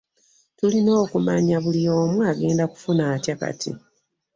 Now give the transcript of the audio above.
Tulina okumanya buli omu agenda kufuna atya kati.